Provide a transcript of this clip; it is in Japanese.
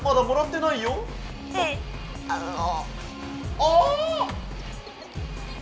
ああ。